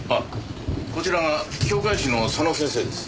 こちらが教誨師の佐野先生です。